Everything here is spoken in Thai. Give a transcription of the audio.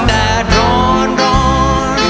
ดาดร้อนร้อน